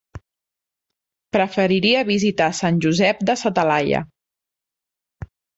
Preferiria visitar Sant Josep de sa Talaia.